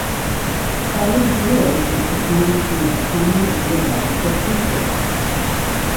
Crowley's Ridge is the county's most prominent geological feature.